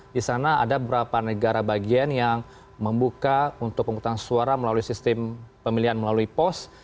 di sana ada beberapa negara bagian yang membuka untuk penghutang suara melalui sistem pemilihan melalui pos